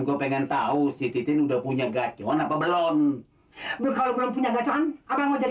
gue pengen tahu si titin udah punya gacon apa belum kalau belum punya gacoran apa yang mau jadi